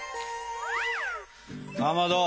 かまど